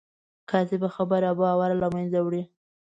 کاذبه خبره باور له منځه وړي